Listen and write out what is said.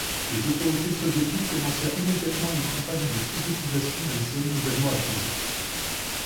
Les autorités soviétiques commencèrent immédiatement une campagne de soviétisation des zones nouvellement acquises.